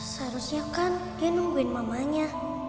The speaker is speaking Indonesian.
seharusnya kan dia nungguin mamanya